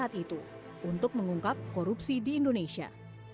yang ada saat itu untuk mengungkap korupsi di indonesia